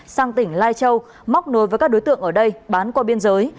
sang tỉnh lai châu móc nối với các đối tượng ở đây bán qua biên giới